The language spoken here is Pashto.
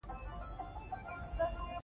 غوا توره ده او شیدې یې سپینې دي.